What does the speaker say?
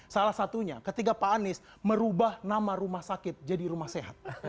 salah satunya ketika pak anies merubah nama rumah sakit jadi rumah sehat